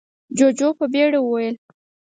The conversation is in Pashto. جُوجُو په بيړه وويل: